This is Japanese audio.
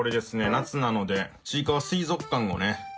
夏なのでちいかわ水族館をね